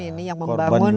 ini yang membangun